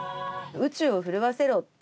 「宇宙を震わせろ今」